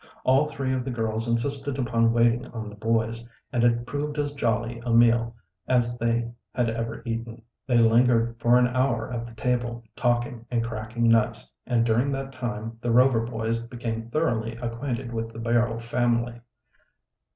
All three of the girls insisted upon waiting on the boys, and it proved as jolly a meal as they had ever eaten. They lingered for an hour at the table, talking and cracking nuts, and during that time the Rover boys became thoroughly acquainted with the Barrow family.